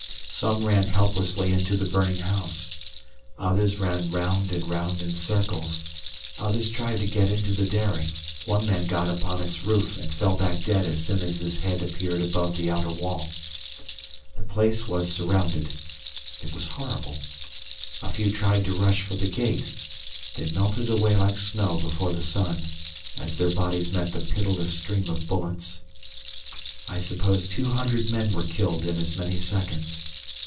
Some ran helplessly into the burning house, others ran round and round in circles, others tried to get into the dairy; one man got upon its roof and fell back dead as soon as his head appeared above the outer wall. The place was surrounded. It was horrible. A few tried to rush for the gate, they melted away like snow before the sun, as their bodies met the pitiless stream of bullets. I suppose two hundred men were killed in as many seconds.